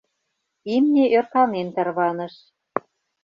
имне ӧрканен тарваныш.